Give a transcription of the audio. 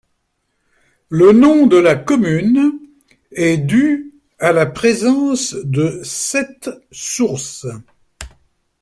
Le nom de la commune est dû à la présence de sept sources.